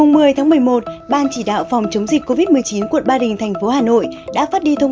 ngày một mươi tháng một mươi một ban chỉ đạo phòng chống dịch covid một mươi chín quận ba đình thành phố hà nội đã phát đi thông